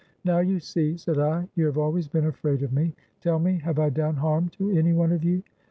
"Now, you see," said I, "you have always heen afraid of me. Tell me, have I done harm to any one of you?